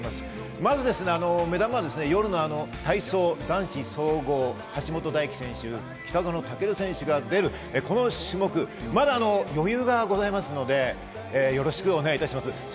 まず目玉は夜の体操男子総合、橋本大輝選手、北園丈琉選手が出るこの種目、まだ余裕がございますのでよろしくお願いいたします。